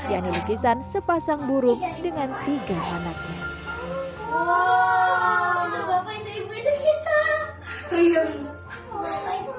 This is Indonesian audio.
ia adalah lukisan sepasang burung dengan tiga anaknya